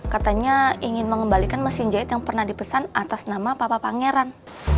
katanya ingin mengembalikan mesin jahit yang pernah dipesan atas nama papa pangeran